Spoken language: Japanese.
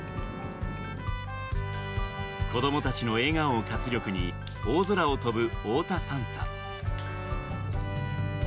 子どもたちの笑顔を活力に大空を飛ぶ太田３佐。